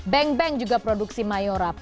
beng beng juga produksi mayora